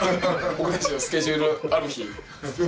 僕たちのスケジュールある日。